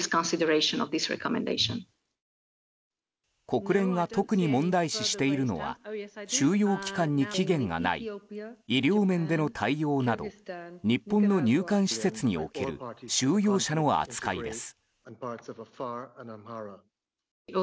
国連が特に問題視しているのは収容期間に期限がない医療面での対応など日本の入管施設における収容者の扱いです。